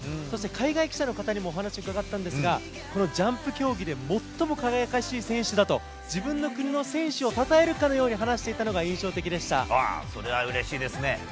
そして、海外記者の方にもお話伺ったんですが、このジャンプ競技で最も輝かしい選手だと、自分の国の選手をたたえるかのように話それはうれしいですね。